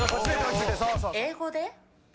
英語で？